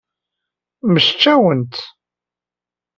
Mmectcawent.